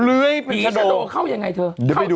เรื่อยไปเข้าที่ไหน